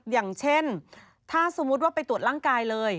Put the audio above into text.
อย่างเช่นถ้าสมมุติว่าไปตรวจร่างกายเลย